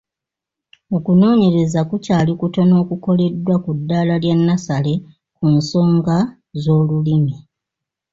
Okunoonyereza kukyali kutono okukoleddwa ku ddaala lya nnasale ku nsonga z’olulimi.